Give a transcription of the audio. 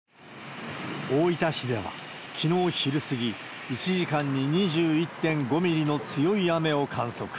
大分市ではきのう昼過ぎ、１時間に２１．５ミリの強い雨を観測。